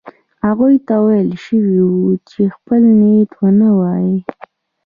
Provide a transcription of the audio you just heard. هغوی ته ویل شوي وو چې خپل نیت ونه وايي.